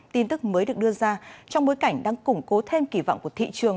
tin tức mới được đưa ra trong bối cảnh đang củng cố thêm kỳ vọng của thị trường